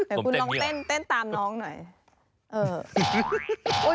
ผมเต้นนี่หรอเดี๋ยวคุณลองเต้นตามน้องหน่อยเออ